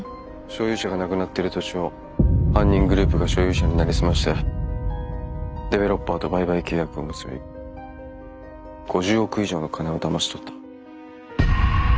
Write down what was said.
所有者が亡くなってる土地を犯人グループが所有者になりすましてデベロッパーと売買契約を結び５０億以上の金をだまし取った。